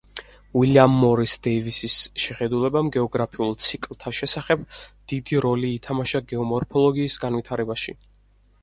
უილიამ მორის დეივისის შეხედულებამ გეოგრაფიულ ციკლთა შესახებ დიდი როლი ითამაშა გეომორფოლოგიის განვითარებაში.